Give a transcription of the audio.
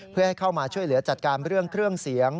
เพื่อให้เข้ามาช่วยเหลือจัดการเรื่องเครื่องเสียง